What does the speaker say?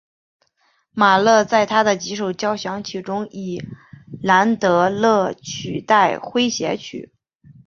马勒在他的几首交响曲中以兰德勒取代诙谐曲。